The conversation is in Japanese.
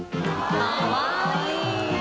かわいい。